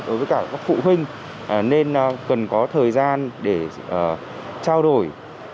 đối với cả các phụ huynh nên cần có thời gian để trao đổi